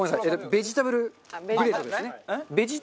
ベジタブルブレンドですね。